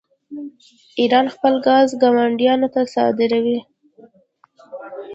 ایران خپل ګاز ګاونډیانو ته صادروي.